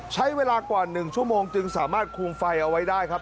ใช้เวลากว่า๑ชั่วโมงจึงสามารถคุมไฟเอาไว้ได้ครับ